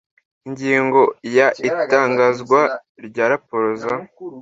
ingingo ya itangazwa rya raporo za